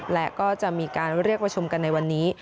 และก็จะมีการเรียกประชุมกันในวันนี้